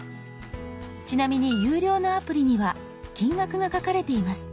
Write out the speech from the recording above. ちなみに有料のアプリには金額が書かれています。